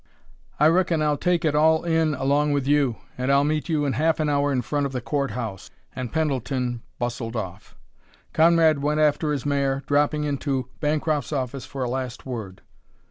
"I reckon I'll take it all in along with you, and I'll meet you in half an hour in front of the court house," and Pendleton bustled off. Conrad went after his mare, dropping into Bancroft's office for a last word.